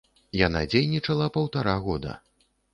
Яна дзейнічала паўтара года.